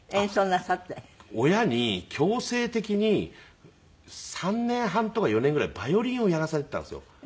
親に強制的に３年半とか４年ぐらいバイオリンをやらされていたんですよ。